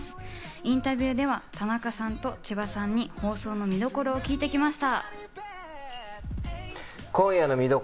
インタビューでは田中さんと千葉さんに放送の見どころを聞いてきました。